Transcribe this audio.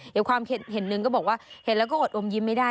เดี๋ยวความเห็นหนึ่งก็บอกว่าเห็นแล้วก็อดอมยิ้มไม่ได้